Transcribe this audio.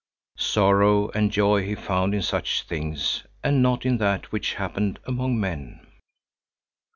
Sorrow and joy he found in such things and not in that which happened among men.